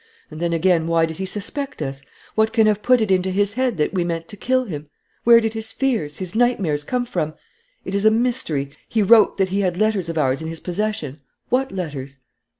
And then, again, why did he suspect us? What can have put it into his head that we meant to kill him? Where did his fears, his nightmares, come from? It is a mystery. He wrote that he had letters of ours in his possession: what letters?"